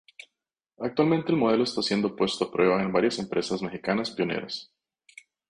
Actualmente el modelo está siendo puesto a prueba en varias empresas mexicanas pioneras.